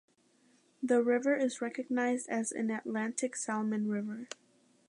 The river is recognized as an Atlantic salmon river.